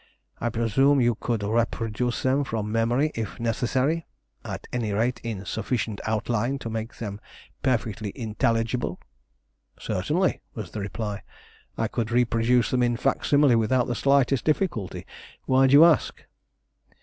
I presume you could reproduce them from memory if necessary at any rate, in sufficient outline to make them perfectly intelligible?" "Certainly," was the reply. "I could reproduce them in fac simile without the slightest difficulty. Why do you ask?"